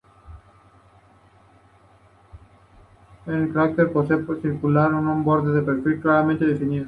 El cráter posee forma circular, con un borde de perfil claramente definido.